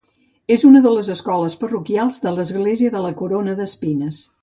És una de les escoles parroquials de l'Església de la Corona d'Espines.